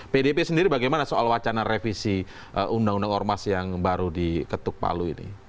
pdp sendiri bagaimana soal wacana revisi undang undang ormas yang baru diketuk palu ini